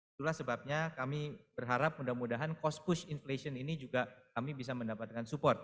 itulah sebabnya kami berharap mudah mudahan cost push inflation ini juga kami bisa mendapatkan support